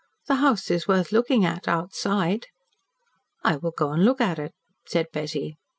The house is worth looking at outside." "I will go and look at it," said Betty.